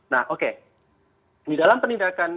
nah oke di dalam penindakan